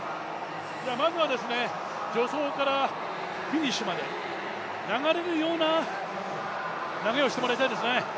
まずは、助走からフィニッシュまで流れるような投げをしてもらいたいですね。